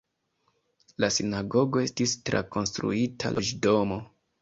La sinagogo estis trakonstruita loĝdomo.